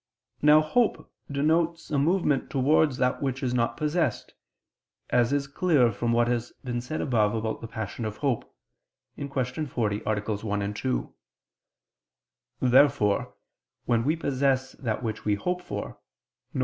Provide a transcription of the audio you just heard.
Now hope denotes a movement towards that which is not possessed, as is clear from what we have said above about the passion of hope (Q. 40, AA. 1, 2). Therefore when we possess that which we hope for, viz.